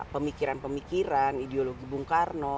pemikiran pemikiran ideologi bung karno